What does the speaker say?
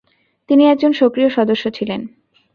তিনি একজন সক্রিয় সদস্য ছিলেন।